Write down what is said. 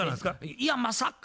「いやまさか」。